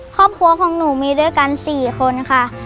ครอบครัวของหนูมีด้วยกัน๔คนค่ะ